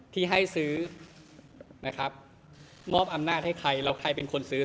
ที่ให้ซื้อนะครับมอบอำนาจให้ใครแล้วใครเป็นคนซื้อ